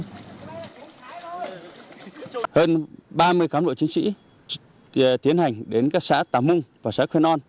hơn ba mươi cán bộ chiến sĩ tiến hành đến các xã tàng mung và xã khuên on